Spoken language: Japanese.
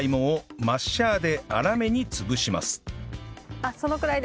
あっそのくらいで。